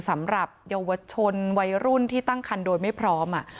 สำหรับเยาวชนวัยรุ่นที่ตั้งคันโดยไม่พร้อม